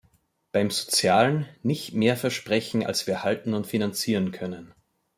Beim Sozialen: nicht mehr versprechen, als wir halten und finanzieren können.